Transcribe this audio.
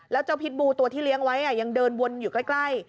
แล้วเจ้าพิษบูตัวที่เลี้ยงไว้ยังเดินวนอยู่ใกล้